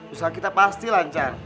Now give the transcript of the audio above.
usaha kita pasti lancar